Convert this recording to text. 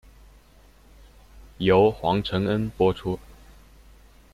由黄承恩播出。